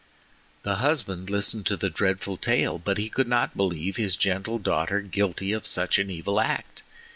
The husband listened to the dreadful tale, but he could not believe his gentle daughter guilty of such an evil act.